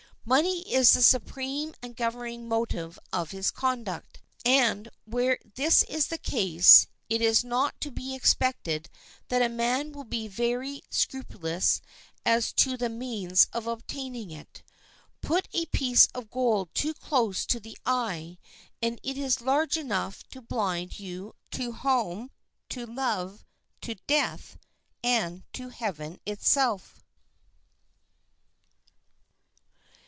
Money is the supreme and governing motive of his conduct, and, where this is the case, it is not to be expected that a man will be very scrupulous as to the means of obtaining it. Put a piece of gold too close to the eye and it is large enough to blind you to home, to love, to death, and to heaven itself.